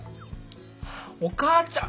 お母ちゃん。